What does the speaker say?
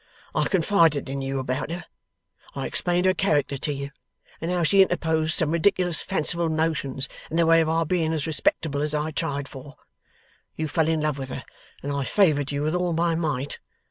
I confided in you about her. I explained her character to you, and how she interposed some ridiculous fanciful notions in the way of our being as respectable as I tried for. You fell in love with her, and I favoured you with all my might.